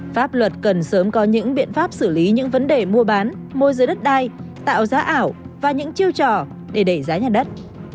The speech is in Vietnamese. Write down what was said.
pháp luật cần sớm có những biện pháp xử lý những vấn đề mua bán môi giới đất đai tạo giá ảo và những chiêu trò để đẩy giá nhà đất